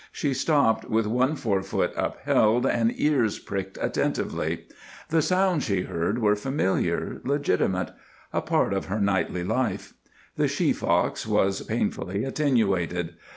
She stopped with one fore foot upheld, and ears pricked attentively. The sounds she heard were familiar, legitimate; a part of her nightly life. The she fox was painfully attenuated.